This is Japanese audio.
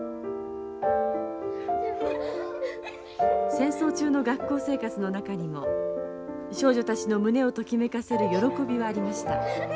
戦争中の学校生活の中にも少女たちの胸をときめかせる喜びはありました。